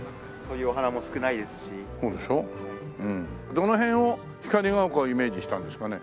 どの辺を光が丘をイメージしたんですかね？